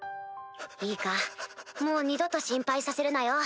いいかもう二度と心配させるなよ。